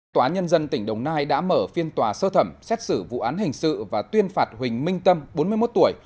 tòa nhân dân tỉnh đồng nai đã mở phiên tòa sơ thẩm xét xử vụ án hình sự và tuyên phạt huỳnh minh tâm bốn mươi một tuổi